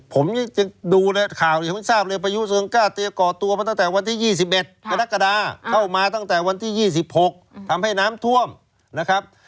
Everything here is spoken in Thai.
ผมดูค่าวยังไม่ทราบ